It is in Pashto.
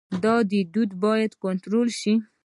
دا دود باید کنټرول شي.